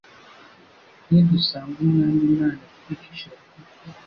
Nidusanga Umwami Imana twicishije bugufi